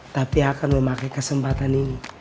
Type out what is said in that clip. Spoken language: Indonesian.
tapi akan memakai kesempatan ini